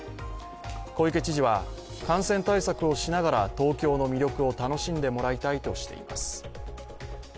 小池知事は、感染対策をしながら東京の魅力を楽しんでもらいたいとしています。